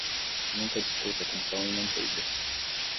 Nunca discuta com pão e manteiga.